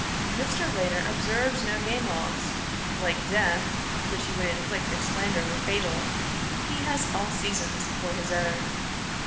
) Mr. Raynor observes no game laws; like Death (which he would inflict if slander were fatal) he has all seasons for his own.